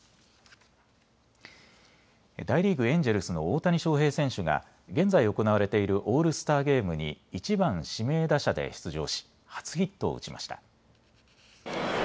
大リーグ、エンジェルスの大谷翔平選手が現在行われているオールスターゲームに１番・指名打者で出場し初ヒットを打ちました。